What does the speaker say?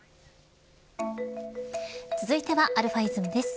続いてはαｉｓｍです。